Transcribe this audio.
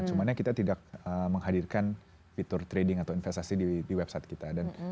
cuma kita tidak menghadirkan fitur trading atau investasi di website kita